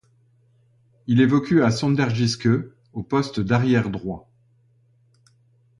Il évolue à SønderjyskE au poste d'arrière droit.